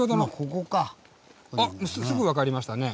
あっすぐ分かりましたね。